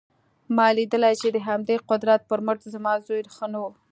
ما لیدلي چې د همدې قدرت پر مټ زما زوی ښه شو